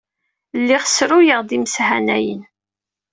Lliɣ ssruyeɣ-d imeshanayen.